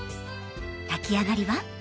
炊きあがりは？